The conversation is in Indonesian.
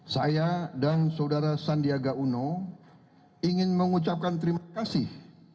saya dan saudara sandiaga uno ingin mengucapkan terima kasih